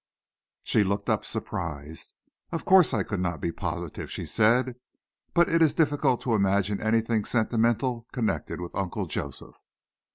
She looked up surprised. "Of course I could not be positive," she said, "but it is difficult to imagine anything sentimental connected with Uncle Joseph."